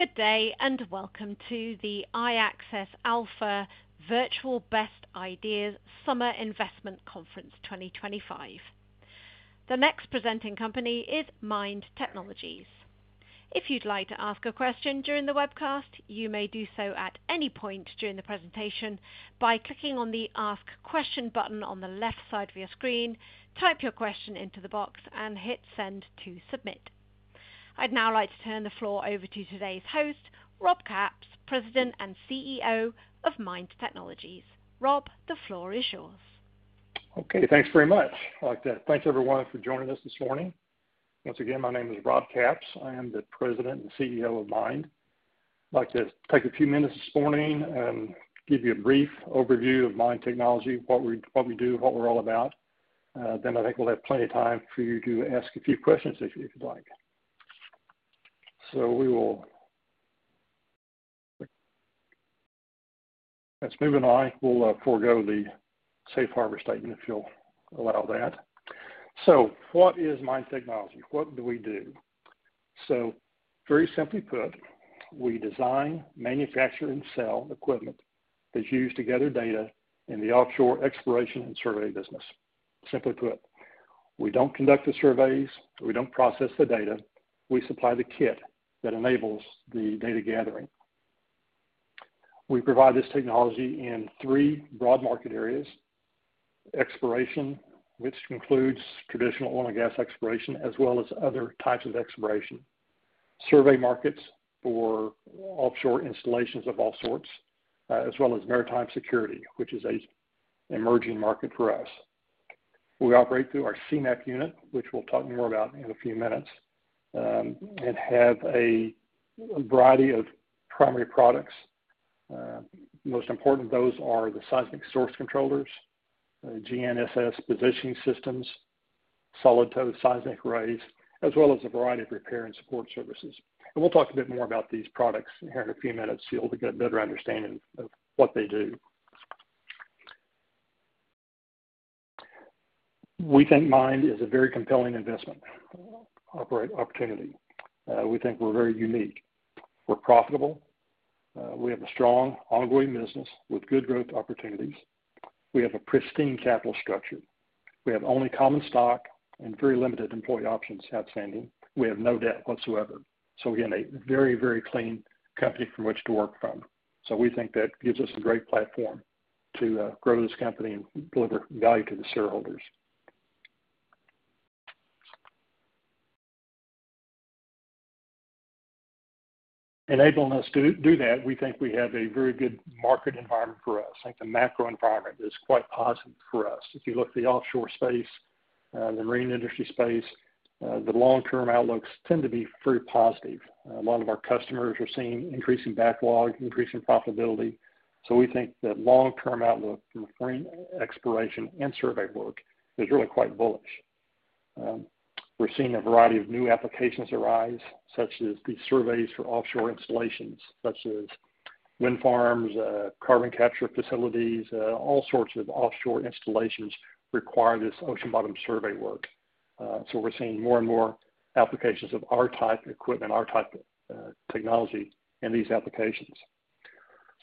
Good day and welcome to the iAccess Alpha Virtual Best Ideas Summer Investment Conference 2025. The next presenting company is MIND Technology. If you'd like to ask a question during the webcast, you may do so at any point during the presentation by clicking on the Ask Question button on the left side of your screen, type your question into the box, and hit Send to submit. I'd now like to turn the floor over to today's host, Rob Capps, President and CEO of MIND Technology. Rob, the floor is yours. Okay, thanks very much. I'd like to thank everyone for joining us this morning. Once again, my name is Rob Capps. I am the President and CEO of MIND. I'd like to take a few minutes this morning and give you a brief overview of MIND Technology, what we do, what we're all about. I think we'll have plenty of time for you to ask a few questions if you'd like. We will—thanks, Ms. Minnai. We'll forego the safe harbor statement if you'll allow that. What is MIND Technology? What do we do? Very simply put, we design, manufacture, and sell equipment that's used to gather data in the offshore exploration and survey business. Simply put, we don't conduct the surveys, we don't process the data, we supply the kit that enables the data gathering. We provide this technology in three broad market areas: exploration, which includes traditional oil and gas exploration, as well as other types of exploration; survey markets for offshore installations of all sorts; as well as maritime security, which is an emerging market for us. We operate through our Seamap unit, which we'll talk more about in a few minutes, and have a variety of primary products. Most important of those are the seismic source controllers, GNSS positioning systems, solid towed seismic arrays, as well as a variety of repair and support services. We'll talk a bit more about these products here in a few minutes so you'll get a better understanding of what they do. We think MIND is a very compelling investment opportunity. We think we're very unique. We're profitable. We have a strong, ongoing business with good growth opportunities. We have a pristine capital structure. We have only common stock and very limited employee options outstanding. We have no debt whatsoever. We have a very, very clean company from which to work from. We think that gives us a great platform to grow this company and deliver value to the shareholders. Enabling us to do that, we think we have a very good market environment for us. I think the macro environment is quite positive for us. If you look at the offshore space, the marine industry space, the long-term outlooks tend to be very positive. A lot of our customers are seeing increasing backlog, increasing profitability. We think the long-term outlook from marine exploration and survey work is really quite bullish. We're seeing a variety of new applications arise, such as these surveys for offshore installations, such as wind farms, carbon capture facilities, all sorts of offshore installations require this ocean bottom survey work. We're seeing more and more applications of our type of equipment, our type of technology in these applications.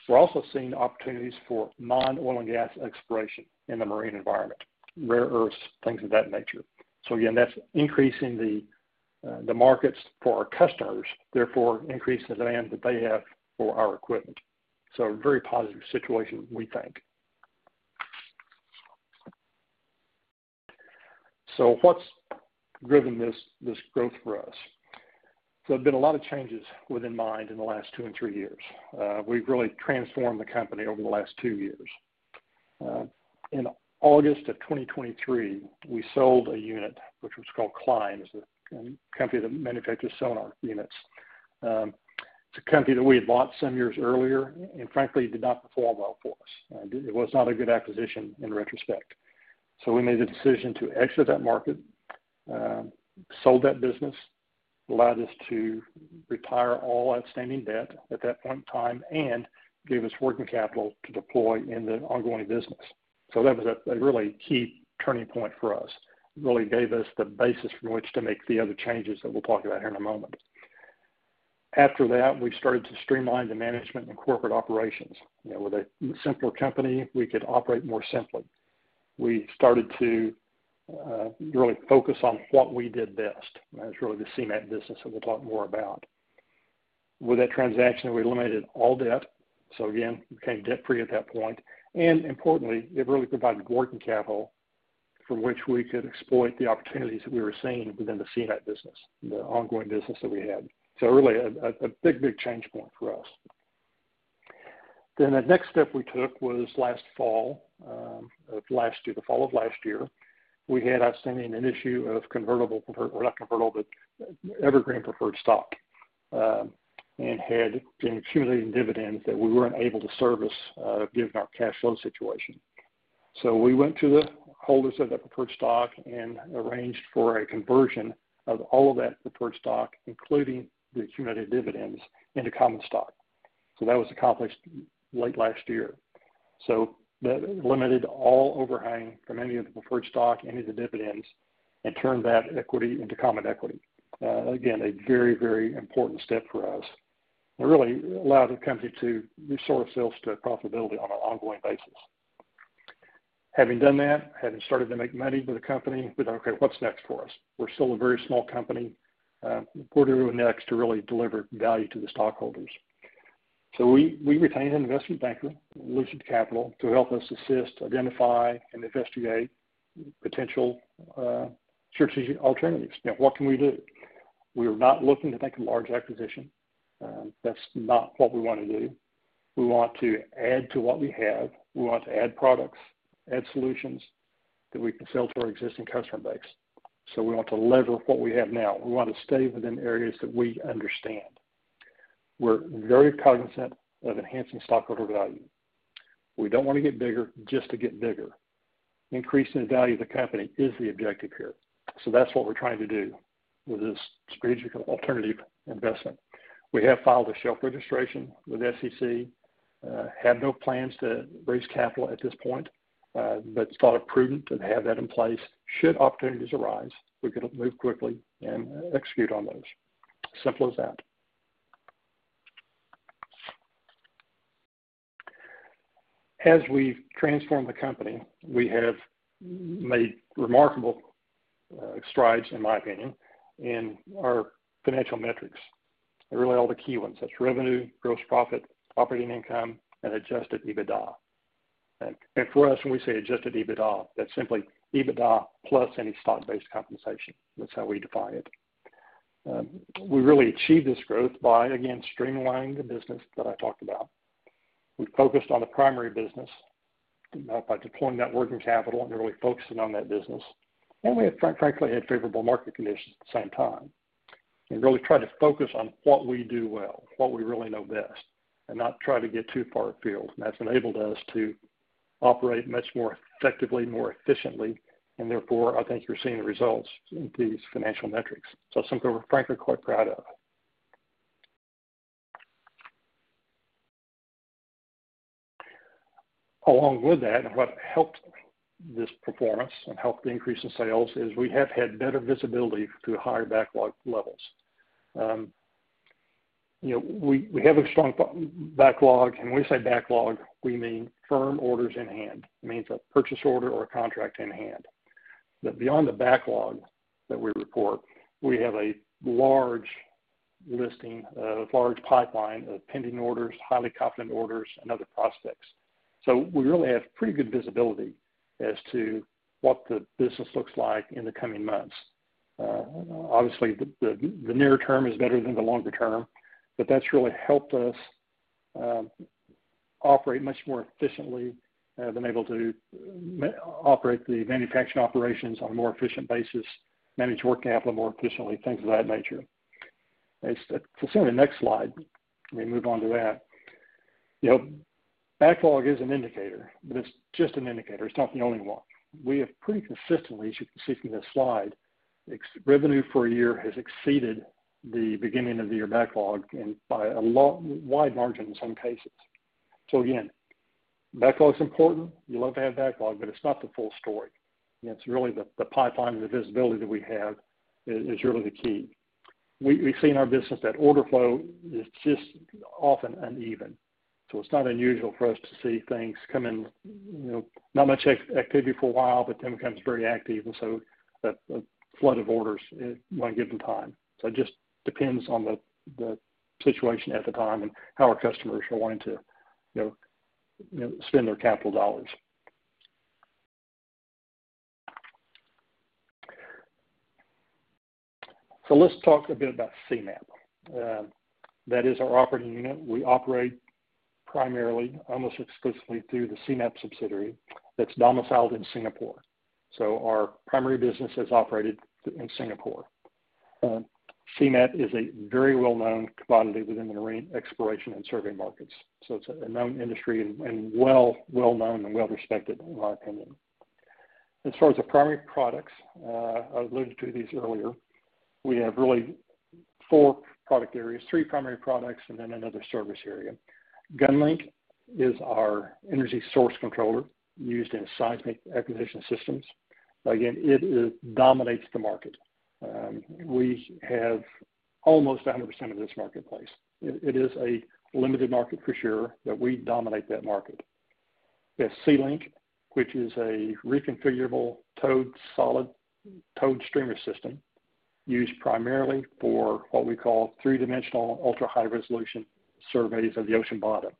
We're also seeing opportunities for non-oil and gas exploration in the marine environment, rare earths, things of that nature. Again, that's increasing the markets for our customers, therefore increasing the demand that they have for our equipment. A very positive situation, we think. What's driven this growth for us? There have been a lot of changes within MIND Technology in the last two and three years. We've really transformed the company over the last two years. In August of 2023, we sold a unit, which was called Klein. It's a company that manufactures sonar units. It's a company that we had bought some years earlier and, frankly, did not perform well for us. It was not a good acquisition in retrospect. We made the decision to exit that market, sold that business, allowed us to retire all outstanding debt at that point in time, and gave us working capital to deploy in the ongoing business. That was a really key turning point for us. It really gave us the basis from which to make the other changes that we'll talk about here in a moment. After that, we started to streamline the management and corporate operations. With a simpler company, we could operate more simply. We started to really focus on what we did best. That's really the Seamap business that we'll talk more about. With that transaction, we eliminated all debt. We became debt-free at that point. Importantly, it really provided working capital from which we could exploit the opportunities that we were seeing within the Seamap business, the ongoing business that we had. Really a big, big change point for us. The next step we took was last fall of last year, the fall of last year. We had outstanding an issue of preferred stock, not convertible, but evergreen preferred stock and had been accumulating dividends that we were not able to service given our cash flow situation. We went to the holders of that preferred stock and arranged for a conversion of all of that preferred stock, including the accumulated dividends, into common stock. That was accomplished late last year. That eliminated all overhang from any of the preferred stock, any of the dividends, and turned that equity into common equity. Again, a very, very important step for us. It really allowed the company to restore itself to profitability on an ongoing basis. Having done that, having started to make money with the company, we thought, "Okay, what's next for us?" We're still a very small company. What do we do next to really deliver value to the stockholders? We retained an investment banker, Lucid Capital, to help us assist, identify, and investigate potential strategic alternatives. Now, what can we do? We are not looking to make a large acquisition. That's not what we want to do. We want to add to what we have. We want to add products, add solutions that we can sell to our existing customer base. We want to lever what we have now. We want to stay within areas that we understand. We're very cognizant of enhancing stockholder value. We don't want to get bigger just to get bigger. Increasing the value of the company is the objective here. That is what we're trying to do with this strategic alternative investment. We have filed a shelf registration with the SEC. We have no plans to raise capital at this point, but it is thought prudent to have that in place. Should opportunities arise, we could move quickly and execute on those. Simple as that. As we've transformed the company, we have made remarkable strides, in my opinion, in our financial metrics. Really, all the key ones. That is revenue, gross profit, operating income, and adjusted EBITDA. For us, when we say adjusted EBITDA, that is simply EBITDA plus any stock-based compensation. That is how we define it. We really achieved this growth by, again, streamlining the business that I talked about. We focused on the primary business by deploying that working capital and really focusing on that business. We have, frankly, had favorable market conditions at the same time. We really tried to focus on what we do well, what we really know best, and not try to get too far afield. That has enabled us to operate much more effectively, more efficiently. Therefore, I think you are seeing the results in these financial metrics. That is something we are, frankly, quite proud of. Along with that, what helped this performance and helped the increase in sales is we have had better visibility through higher backlog levels. We have a strong backlog, and when we say backlog, we mean firm orders in hand. It means a purchase order or a contract in hand. Beyond the backlog that we report, we have a large listing, a large pipeline of pending orders, highly confident orders, and other prospects. We really have pretty good visibility as to what the business looks like in the coming months. Obviously, the near term is better than the longer term, but that's really helped us operate much more efficiently. Been able to operate the manufacturing operations on a more efficient basis, manage working capital more efficiently, things of that nature. Let's assume the next slide. We move on to that. Backlog is an indicator, but it's just an indicator. It's not the only one. We have pretty consistently, as you can see from this slide, revenue for a year has exceeded the beginning of the year backlog by a wide margin in some cases. Again, backlog is important. You love to have backlog, but it's not the full story. It's really the pipeline and the visibility that we have is really the key. We see in our business that order flow is just often uneven. It is not unusual for us to see things come in, not much activity for a while, but then it becomes very active. A flood of orders will come in at one time. It just depends on the situation at the time and how our customers are wanting to spend their capital dollars. Let's talk a bit about Seamap. That is our operating unit. We operate primarily, almost exclusively, through the Seamap subsidiary that is domiciled in Singapore. Our primary business has operated in Singapore. Seamap is a very well-known commodity within the marine exploration and survey markets. It is a known industry and well-known and well-respected, in my opinion. As far as the primary products, I alluded to these earlier. We have really four product areas, three primary products, and then another service area. GunLink is our energy source controller used in seismic acquisition systems. Again, it dominates the market. We have almost 100% of this marketplace. It is a limited market for sure, but we dominate that market. We have SeaLink, which is a reconfigurable towed streamer system used primarily for what we call three-dimensional ultra-high resolution surveys of the ocean bottom.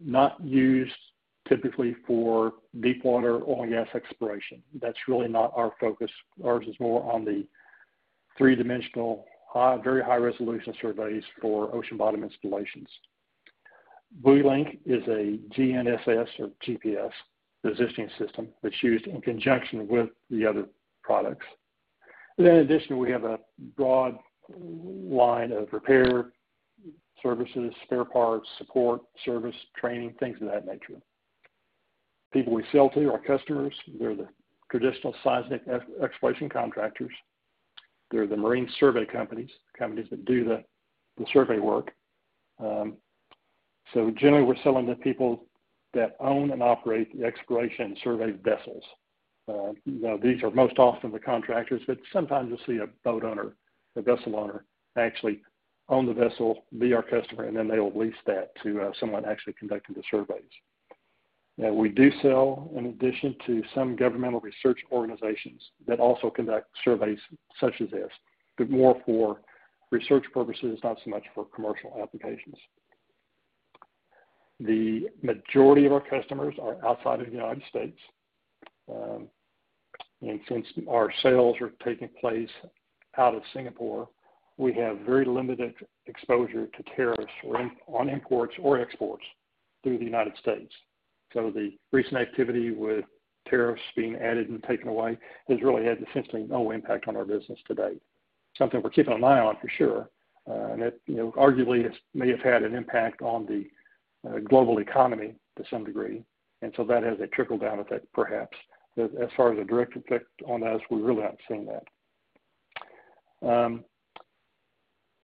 Not used typically for deep water oil and gas exploration. That's really not our focus. Ours is more on the three-dimensional, very high resolution surveys for ocean bottom installations. BuoyLink is a GNSS or GPS positioning system that's used in conjunction with the other products. In addition, we have a broad line of repair services, spare parts, support, service, training, things of that nature. People we sell to are customers. They're the traditional seismic exploration contractors. They're the marine survey companies, the companies that do the survey work. Generally, we're selling to people that own and operate the exploration survey vessels. These are most often the contractors, but sometimes you'll see a boat owner, a vessel owner actually own the vessel, be our customer, and then they will lease that to someone actually conducting the surveys. Now, we do sell, in addition to some governmental research organizations that also conduct surveys such as this, but more for research purposes, not so much for commercial applications. The majority of our customers are outside of the United States. And since our sales are taking place out of Singapore, we have very limited exposure to tariffs on imports or exports through the United States. The recent activity with tariffs being added and taken away has really had essentially no impact on our business to date. Something we're keeping an eye on for sure. Arguably, it may have had an impact on the global economy to some degree. That has a trickle-down effect, perhaps. As far as a direct effect on us, we really aren't seeing that.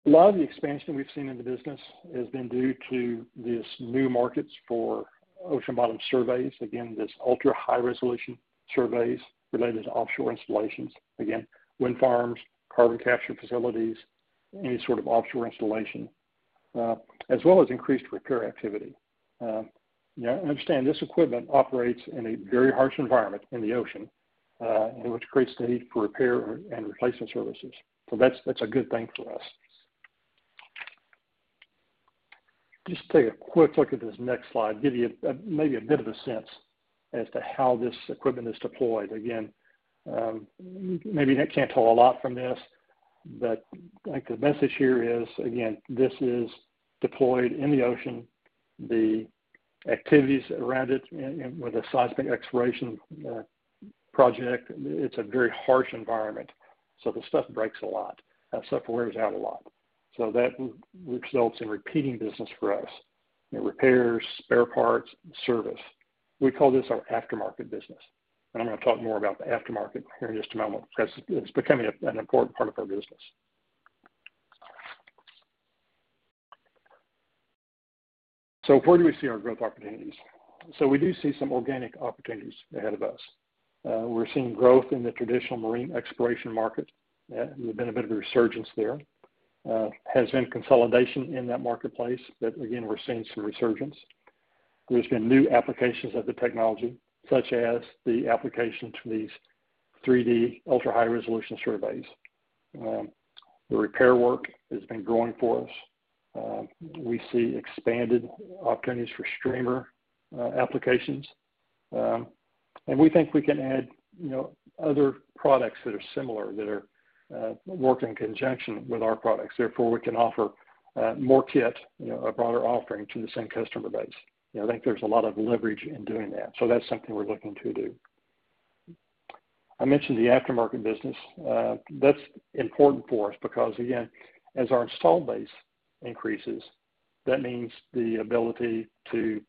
A lot of the expansion we've seen in the business has been due to these new markets for ocean bottom surveys. Again, this ultra-high resolution surveys related to offshore installations. Again, wind farms, carbon capture facilities, any sort of offshore installation, as well as increased repair activity. I understand this equipment operates in a very harsh environment in the ocean, which creates the need for repair and replacement services. That's a good thing for us. Just take a quick look at this next slide. Give you maybe a bit of a sense as to how this equipment is deployed. Again, maybe I can't tell a lot from this, but I think the message here is, again, this is deployed in the ocean. The activities around it with a seismic exploration project, it's a very harsh environment. The stuff breaks a lot. That stuff wears out a lot. That results in repeating business for us. Repairs, spare parts, service. We call this our aftermarket business. I'm going to talk more about the aftermarket here in just a moment because it's becoming an important part of our business. Where do we see our growth opportunities? We do see some organic opportunities ahead of us. We're seeing growth in the traditional marine exploration market. There's been a bit of a resurgence there. There has been consolidation in that marketplace, but again, we're seeing some resurgence. There's been new applications of the technology, such as the application to these 3D ultra-high resolution surveys. The repair work has been growing for us. We see expanded opportunities for streamer applications. We think we can add other products that are similar that are worked in conjunction with our products. Therefore, we can offer more kit, a broader offering to the same customer base. I think there's a lot of leverage in doing that. That's something we're looking to do. I mentioned the aftermarket business. That's important for us because, again, as our install base increases, that means the ability to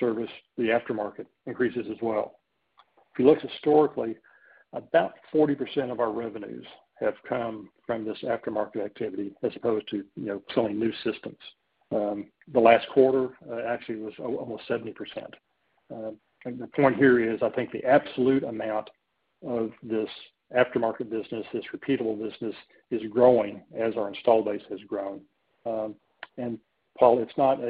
service the aftermarket increases as well. If you look historically, about 40% of our revenues have come from this aftermarket activity as opposed to selling new systems. The last quarter actually was almost 70%. The point here is, I think the absolute amount of this aftermarket business, this repeatable business, is growing as our install base has grown. Paul, it's not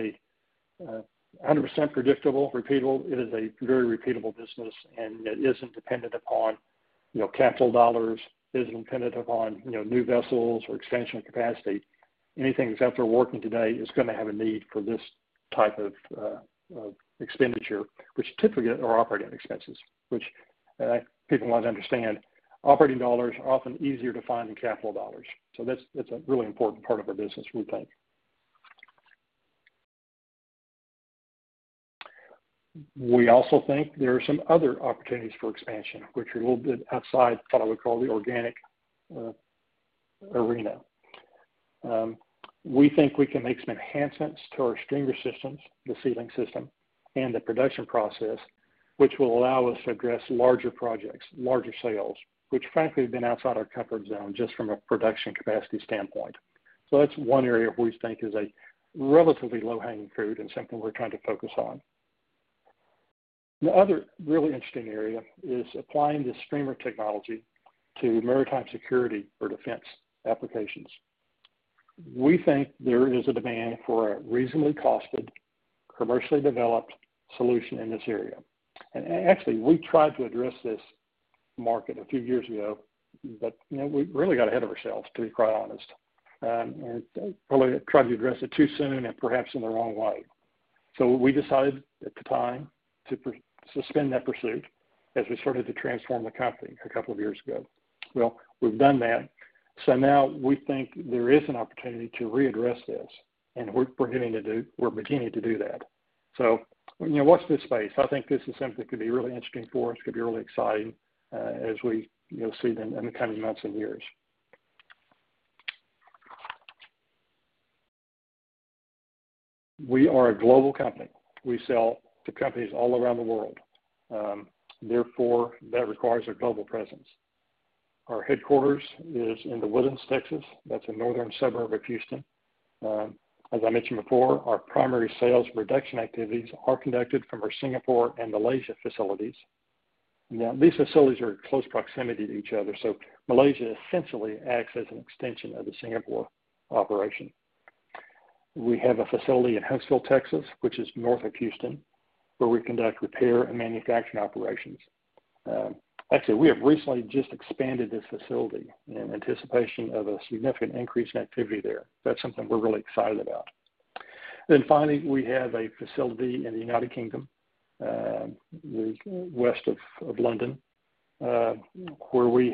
100% predictable, repeatable. It is a very repeatable business, and it isn't dependent upon capital dollars. It isn't dependent upon new vessels or expansion capacity. Anything except for working today is going to have a need for this type of expenditure, which typically are operating expenses, which people want to understand. Operating dollars are often easier to find than capital dollars. That's a really important part of our business, we think. We also think there are some other opportunities for expansion, which are a little bit outside what I would call the organic arena. We think we can make some enhancements to our streamer systems, the SeaLink system, and the production process, which will allow us to address larger projects, larger sales, which frankly have been outside our comfort zone just from a production capacity standpoint. That is one area we think is a relatively low-hanging fruit and something we are trying to focus on. The other really interesting area is applying this streamer technology to maritime security or defense applications. We think there is a demand for a reasonably costed, commercially developed solution in this area. Actually, we tried to address this market a few years ago, but we really got ahead of ourselves, to be quite honest. We probably tried to address it too soon and perhaps in the wrong way. We decided at the time to suspend that pursuit as we started to transform the company a couple of years ago. We have done that. Now we think there is an opportunity to readdress this. We are beginning to do that. Watch this space. I think this is something that could be really interesting for us. It could be really exciting as we see them in the coming months and years. We are a global company. We sell to companies all around the world. Therefore, that requires a global presence. Our headquarters is in The Woodlands, Texas. That is a northern suburb of Houston. As I mentioned before, our primary sales reduction activities are conducted from our Singapore and Malaysia facilities. These facilities are in close proximity to each other. Malaysia essentially acts as an extension of the Singapore operation. We have a facility in Huntsville, Texas, which is north of Houston, where we conduct repair and manufacturing operations. Actually, we have recently just expanded this facility in anticipation of a significant increase in activity there. That's something we're really excited about. Finally, we have a facility in the United Kingdom, west of London, where we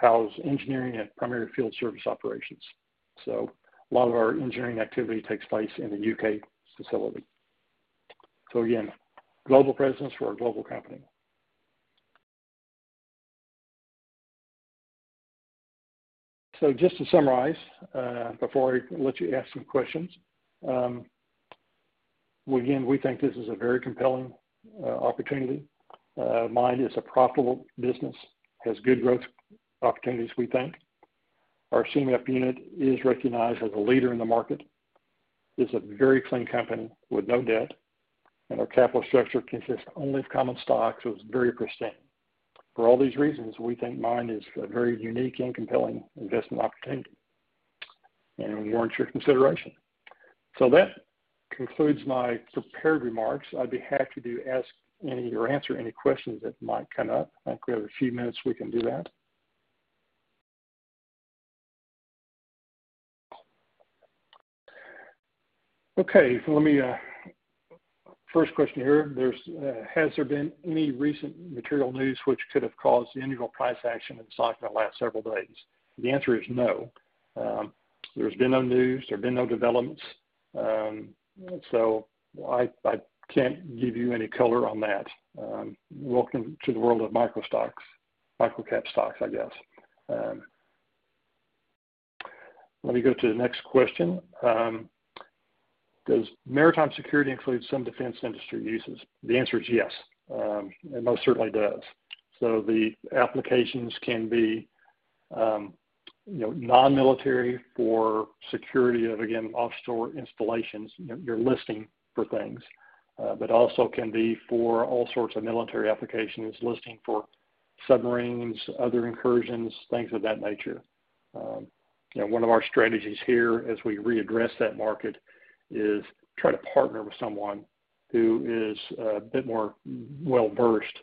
house engineering and primary field service operations. A lot of our engineering activity takes place in the U.K. facility. Again, global presence for our global company. Just to summarize before I let you ask some questions, we think this is a very compelling opportunity. MIND is a profitable business, has good growth opportunities, we think. Our Seamap unit is recognized as a leader in the market. It's a very clean company with no debt. Our capital structure consists only of common stocks, so it's very pristine. For all these reasons, we think MIND is a very unique and compelling investment opportunity. We warrant your consideration. That concludes my prepared remarks. I'd be happy to ask any or answer any questions that might come up. I think we have a few minutes we can do that. Okay. First question here. Has there been any recent material news which could have caused the individual price action in stock in the last several days? The answer is no. There's been no news. There have been no developments. I can't give you any color on that. Welcome to the world of micro stocks, micro-cap stocks, I guess. Let me go to the next question. Does maritime security include some defense industry uses? The answer is yes. It most certainly does. The applications can be non-military for security of, again, offshore installations, you are listening for things but also can be for all sorts of military applications, listening for submarines, other incursions, things of that nature. One of our strategies here as we readdress that market is to try to partner with someone who is a bit more well-versed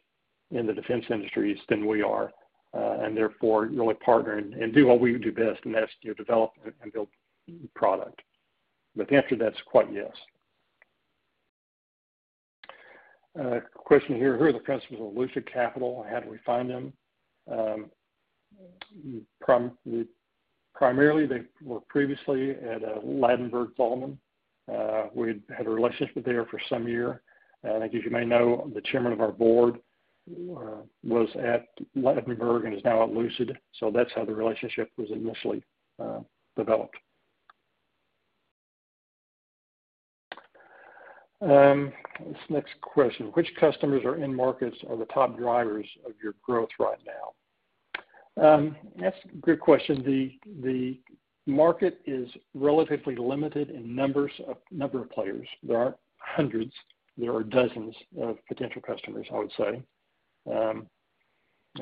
in the defense industries than we are, and therefore really partner and do what we do best, and that is develop and build product. The answer to that is quite yes. Question here. Who are the principals of Lucid Capital? How do we find them? Primarily, they were previously at Ladenburg Thalmann. We had a relationship with them for some years. I think, as you may know, the Chairman of our Board was at Ladenburg and is now at Lucid. That is how the relationship was initially developed. This next question. Which customers or end markets are the top drivers of your growth right now? That's a good question. The market is relatively limited in number of players. There aren't hundreds. There are dozens of potential customers, I would say.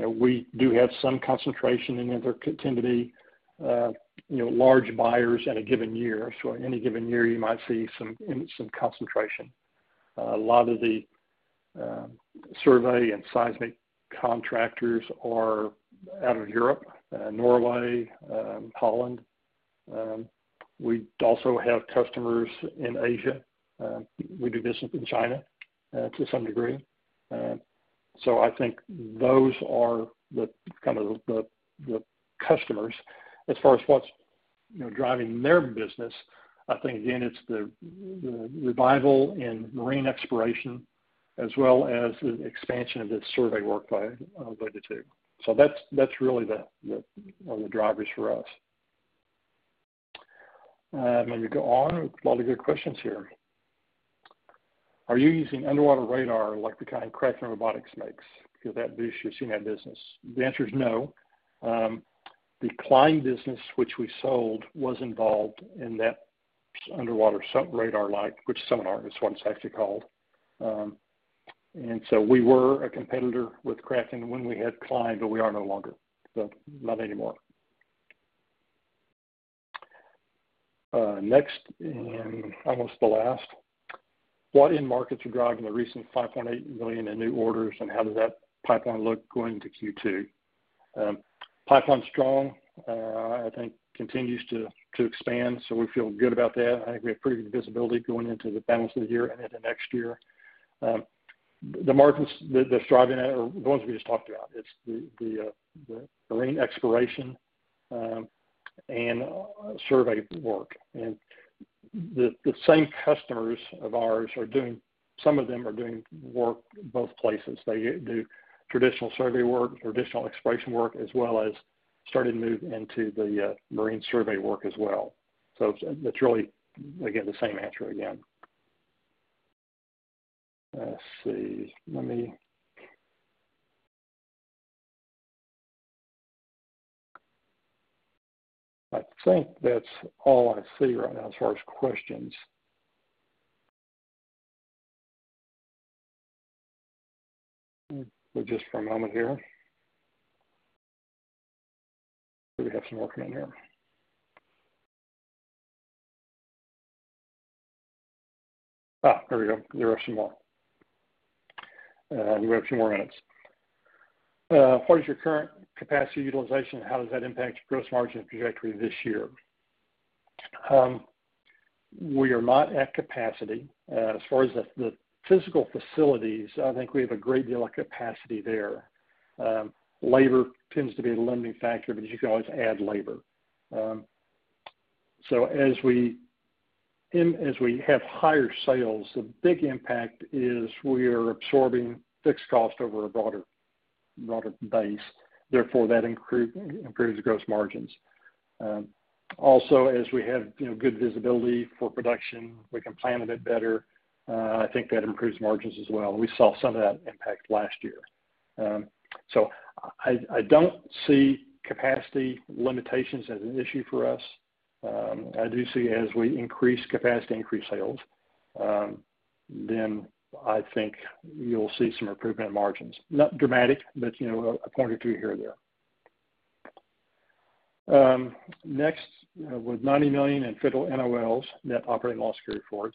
We do have some concentration, and there tend to be large buyers in a given year. Any given year, you might see some concentration. A lot of the survey and seismic contractors are out of Europe, Norway, Holland. We also have customers in Asia. We do business in China to some degree. I think those are kind of the customers. As far as what's driving their business, I think, again, it's the revival in marine exploration as well as the expansion of this survey workload of the two. That's really the drivers for us. Let me go on. A lot of good questions here. Are you using underwater radar like the kind Kraken Robotics makes? Is that boost your Seamap business? The answer is no. The Klein business, which we sold, was involved in that underwater radar-like, which sonar is what it's actually called. We were a competitor with Kraken when we had Klein, but we are no longer. Not anymore. Next, and almost the last. What end markets are driving the recent $5.8 million in new orders, and how does that pipeline look going into Q2? Pipeline's strong. I think continues to expand. We feel good about that. I think we have pretty good visibility going into the balance of the year and into next year. The markets that's driving it are the ones we just talked about. It's the marine exploration and survey work. The same customers of ours are doing, some of them are doing work both places. They do traditional survey work, traditional exploration work, as well as starting to move into the marine survey work as well. It is really, again, the same answer again. Let's see. I think that's all I see right now as far as questions. Just for a moment here. We have some working in here. There we go. There are some more. We have a few more minutes. What is your current capacity utilization? How does that impact gross margin trajectory this year? We are not at capacity. As far as the physical facilities, I think we have a great deal of capacity there. Labor tends to be a limiting factor, but you can always add labor. As we have higher sales, the big impact is we are absorbing fixed cost over a broader base. Therefore, that improves gross margins. Also, as we have good visibility for production, we can plan a bit better. I think that improves margins as well. We saw some of that impact last year. I do not see capacity limitations as an issue for us. I do see as we increase capacity, increase sales, then I think you will see some improvement in margins. Not dramatic, but a point or two here and there. Next, with $90 million in federal NOLs, net operating loss carryforwards,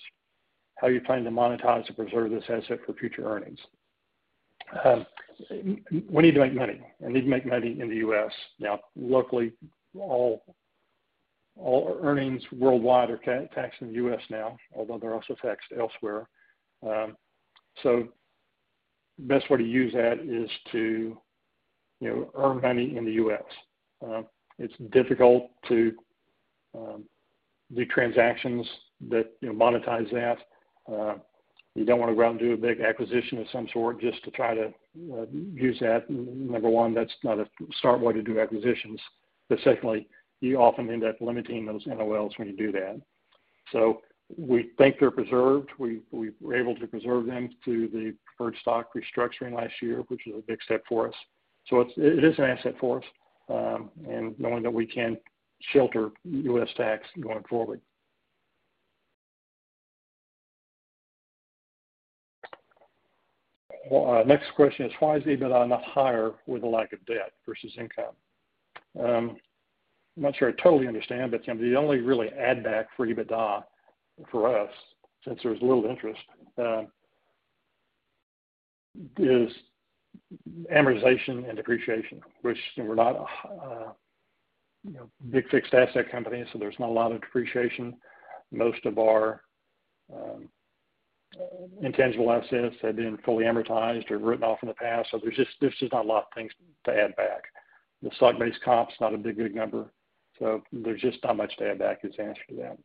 how do you plan to monetize and preserve this asset for future earnings? We need to make money. I need to make money in the U.S.. Now, luckily, all earnings worldwide are taxed in the U.S. now, although they are also taxed elsewhere. The best way to use that is to earn money in the U.S.. It's difficult to do transactions that monetize that. You don't want to go out and do a big acquisition of some sort just to try to use that. Number one, that's not a smart way to do acquisitions. Secondly, you often end up limiting those NOLs when you do that. We think they're preserved. We were able to preserve them through the preferred stock restructuring last year, which was a big step for us. It is an asset for us and knowing that we can shelter U.S. tax going forward. Next question is, why is EBITDA not higher with a lack of debt versus income? I'm not sure I totally understand, but the only really add-back for EBITDA for us, since there's little interest, is amortization and depreciation, which we're not a big-fixed asset company, so there's not a lot of depreciation. Most of our intangible assets have been fully amortized or written off in the past. There's just not a lot of things to add back. The stock-based comp is not a big, big number. There's just not much to add back as an answer to that.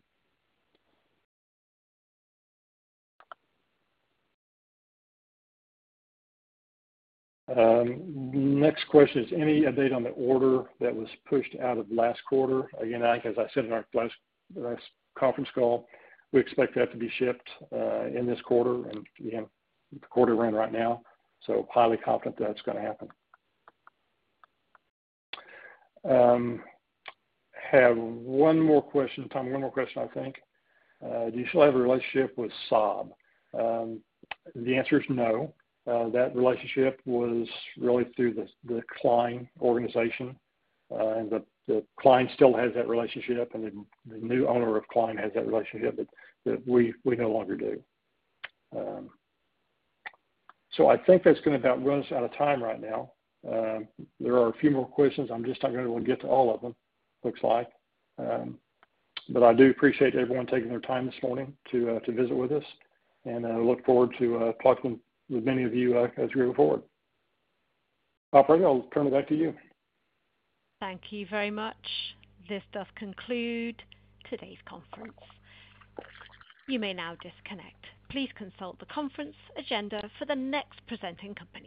Next question is, any update on the order that was pushed out of last quarter? Again, as I said in our last conference call, we expect that to be shipped in this quarter and the quarter we're in right now. Highly confident that's going to happen. Have one more question, Tom. One more question, I think. Do you still have a relationship with SOB? The answer is no. That relationship was really through the Klein organization. And the Klein still has that relationship, and the new owner of Klein has that relationship, but we no longer do. I think that's going to about run us out of time right now. There are a few more questions. I'm just not going to be able to get to all of them, looks like. I do appreciate everyone taking their time this morning to visit with us. I look forward to talking with many of you as we move forward. Operator, I'll turn it back to you. Thank you very much. This does conclude today's conference. You may now disconnect. Please consult the conference agenda for the next presenting company.